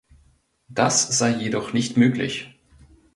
Das sei jedoch nicht möglich.